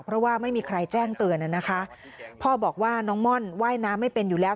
เพราะว่าไม่มีใครแจ้งเตือนนะคะพ่อบอกว่าน้องม่อนว่ายน้ำไม่เป็นอยู่แล้ว